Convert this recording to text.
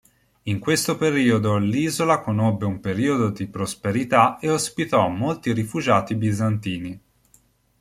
In questo periodo l'isola conobbe un periodo di prosperità e ospitò molti rifugiati bizantini.